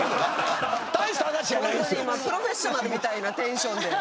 今「プロフェッショナル」みたいなテンションで。